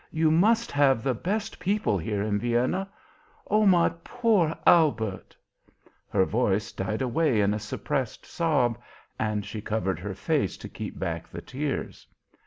You must have the best people here in Vienna. Oh, my poor Albert " Her voice died away in a suppressed sob, and she covered her face to keep back the tears.